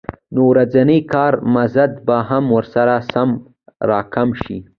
نو د ورځني کار مزد به هم ورسره سم راکم شي